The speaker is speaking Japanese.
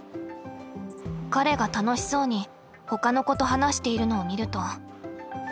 彼が楽しそうにほかの子と話しているのを見ると。